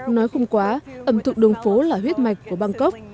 nói không quá ẩm thực đường phố là huyết mạch của bangkok